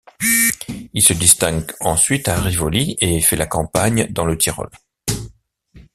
Il se distingue ensuite à Rivoli et fait la campagne dans le Tyrol.